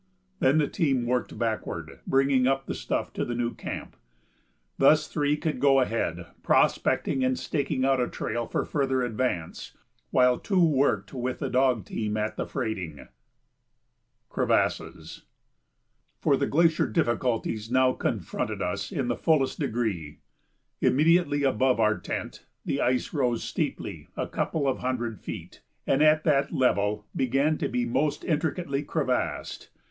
Then the team worked backward, bringing up the stuff to the new camp. Thus three could go ahead, prospecting and staking out a trail for further advance, while two worked with the dog team at the freighting. [Sidenote: Crevasses] For the glacier difficulties now confronted us in the fullest degree. Immediately above our tent the ice rose steeply a couple of hundred feet, and at that level began to be most intricately crevassed.